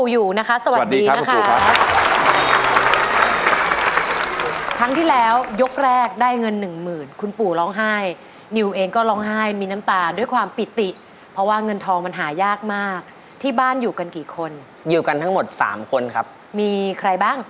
ยืบกันทั้งหมด๓คนครับมีใครบ้าง